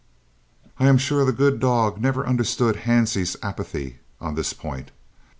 I am sure the good dog never understood Hansie's apathy on this point.